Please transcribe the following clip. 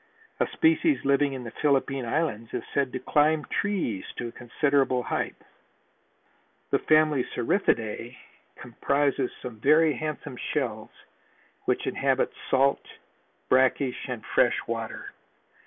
A species living in the Philippine Islands is said to climb trees to a considerable height. The family Cerithiidae comprises some very handsome shells which inhabit salt, brackish and fresh water.